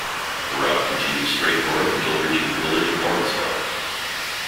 The route continues straight north until reaching the village of Lawrenceville.